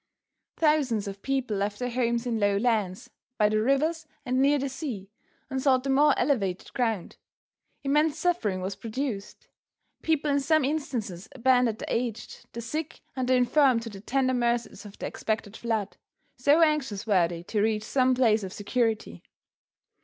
Thousands of people left their homes in low lands, by the rivers and near the sea and sought the more elevated ground. Immense suffering was produced. People in some instances abandoned the aged, the sick and the infirm to the tender mercies of the expected flood, so anxious were they to reach some place of security.